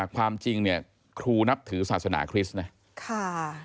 ความจริงเนี่ยครูนับถือศาสนาคริสต์นะ